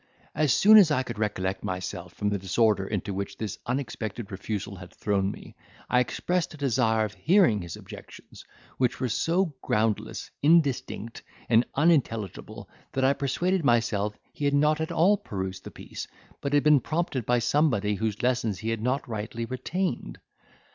As soon as I could recollect myself from the disorder into which this unexpected refusal had thrown me, I expressed a desire of hearing his objections, which were so groundless, indistinct, and unintelligible, that I persuaded myself he had not at all perused the piece, but had been prompted by somebody whose lessons he had not rightly retained.